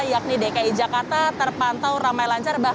yakni dki jakarta terpantau ramai lancar